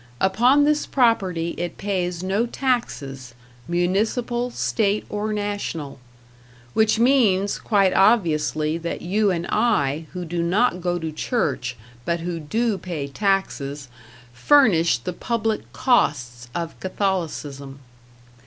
Upon this property it pays no taxes, municipal, state or national; which means, quite obviously, that you and I, who do not go to church, but who do pay taxes, furnish the public costs of Catholicism.